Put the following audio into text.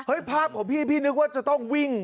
เฮ้ยภาพของพี่นึกว่าจะต้องวิ่ง